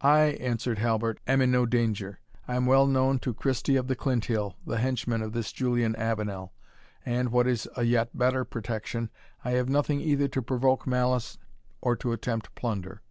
"I," answered Halbert, "am in no danger. I am well known to Christie of the Clinthill, the henchman of this Julian Avenel; and, what is a yet better protection, I have nothing either to provoke malice or to tempt plunder."